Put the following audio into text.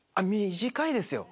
短いですよ。